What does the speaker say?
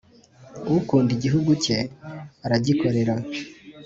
Ukunda igihugu ke aragikorera